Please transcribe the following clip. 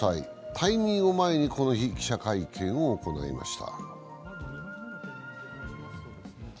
退任を前にこの日、記者会見を行いました。